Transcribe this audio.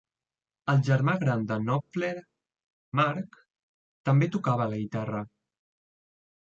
El germà gran de Knopfler, Mark, també tocava la guitarra.